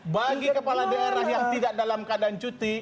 bagi kepala daerah yang tidak dalam keadaan cuti